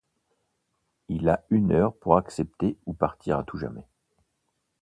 Il a une heure pour accepter ou partir à tout jamais.